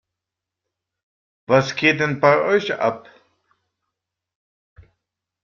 Was geht denn bei euch ab?